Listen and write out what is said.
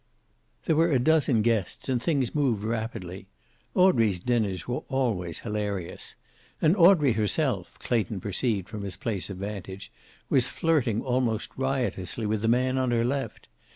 There were a dozen guests, and things moved rapidly. Audrey's dinners were always hilarious. And Audrey herself, Clayton perceived from his place of vantage, was flirting almost riotously with the man on her left.